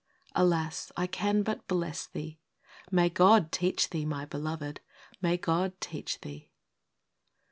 Alas ! I can but bless thee — May God teach thee, my beloved,— may God teach thee!